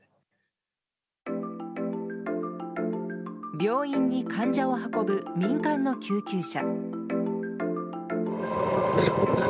病院に患者を運ぶ民間の救急車。